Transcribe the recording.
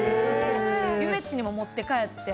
ゆめっちにも持って帰って。